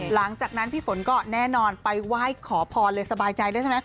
หลังจากนั้นพี่ฝนก็แน่นอนไปไหว้ขอพรเลยสบายใจด้วยใช่ไหม